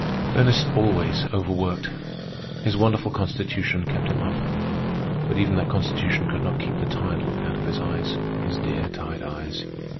Ernest always overworked. His wonderful constitution kept him up; but even that constitution could not keep the tired look out of his eyes. His dear, tired eyes!